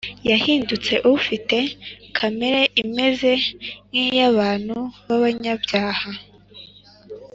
yahindutse ufite “kamere imeze nk’iy’abantu b’abanyabyaha